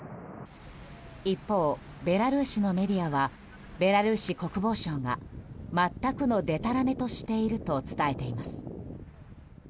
一方、ベラルーシのメディアはベラルーシ国防省が全くのでたらめとしていると伝えています。